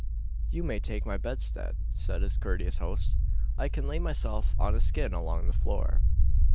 "You may take my bedstead," said his courteous host; "I can lay myself on a skin along the floor."